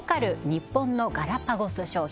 日本のガラパゴス商品